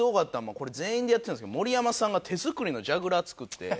これ全員でやってたんですけど盛山さんが手作りのジャグラー作って。